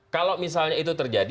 kalau misalnya itu terjadi